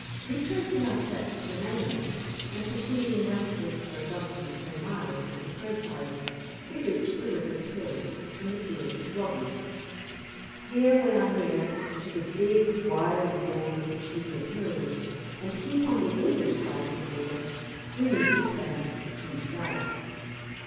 Retracing our steps to the mainland, and proceeding westward for a dozen or so miles as the crow flies, we reach the River Till, and the field of Flodden. Here we are near to the big wild wall of the Cheviot hills, and to keep on the English side of the border we need to turn due south.